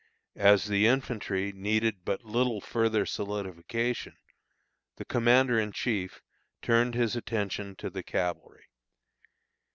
As the infantry needed but little further solidification, the commander in chief turned his attention to the cavalry.